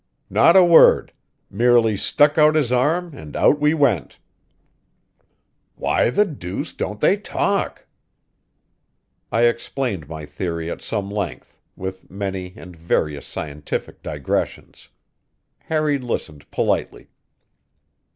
"Not a word; merely stuck out his arm and out we went." "Why the deuce don't they talk?" I explained my theory at some length, with many and various scientific digressions. Harry listened politely.